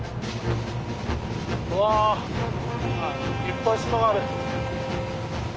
うわいっぱい島がある。